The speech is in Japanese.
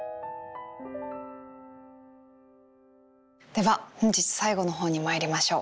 では本日最後の本にまいりましょう。